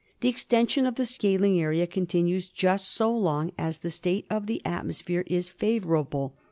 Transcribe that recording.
The extension of the scaling area continues just so long as the state of the atmosphere is favourable.